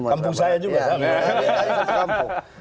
jadi di kampung saya itu kan daerah basis pemilih pak prabowo